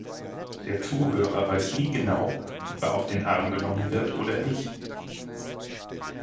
Der Zuhörer weiß nie genau, ob er auf den Arm genommen wird oder nicht.